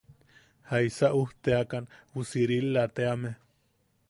–¿Jaisa ujteakan ju Sirila teame?